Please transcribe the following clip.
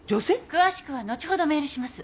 詳しくは後ほどメールします。